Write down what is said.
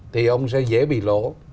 thì ông sẽ dễ bị lỗ